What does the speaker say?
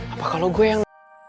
apa kalau gue yang